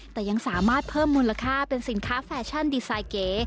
แต่ยังสามารถเพิ่มมูลค่าเป็นสินค้าแฟชั่นดีไซน์เก๋